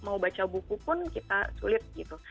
mau baca buku pun kita sulit gitu